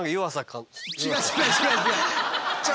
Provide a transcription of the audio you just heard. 違う違う。